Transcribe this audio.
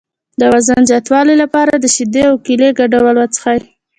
د وزن زیاتولو لپاره د شیدو او کیلې ګډول وڅښئ